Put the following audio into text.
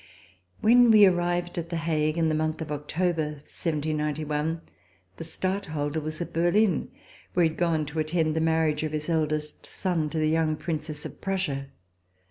When we arrived at The Hague, in the month of October, 1791, the Stadtholder was at Berlin where he had gone to attend the marriage of his eldest son to the young Princess of Prussia.